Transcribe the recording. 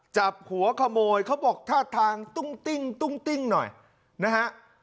จับหัวขโมยเขาบอกท่าทางตุ้งติ้งตุ้งติ้งหน่อยนะฮะ